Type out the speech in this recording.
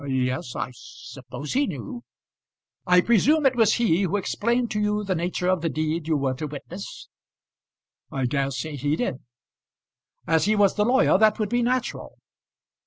"Yes, I suppose he knew." "I presume it was he who explained to you the nature of the deed you were to witness?" "I dare say he did." "As he was the lawyer, that would be natural."